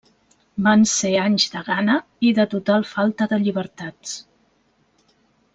Van ser anys de gana i de total falta de llibertats.